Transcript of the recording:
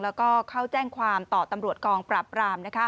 แล้วก็เข้าแจ้งความต่อตำรวจกองปราบราม